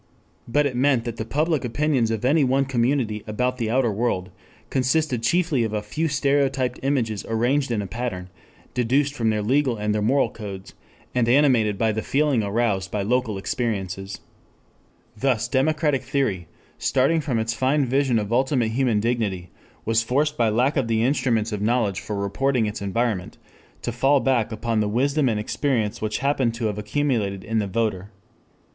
But it meant that the public opinions of any one community about the outer world consisted chiefly of a few stereotyped images arranged in a pattern deduced from their legal and their moral codes, and animated by the feeling aroused by local experiences. Thus democratic theory, starting from its fine vision of ultimate human dignity, was forced by lack of the instruments of knowledge for reporting its environment, to fall back upon the wisdom and experience which happened to have accumulated in the voter.